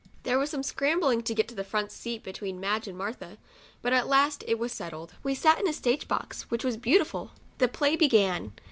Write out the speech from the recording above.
There was some scrambling to get the front seat be tween Madge and Martha, but at last it was settled. We sat in a stage box, which was beautiful. The play began.